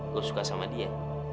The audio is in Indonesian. gua suka sama dia